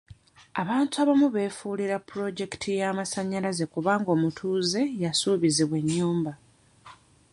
Abantu abamu beefuulira pulojekiti y'amasanyalaze kubanga omutuuze yasuubizibwa ennyumba.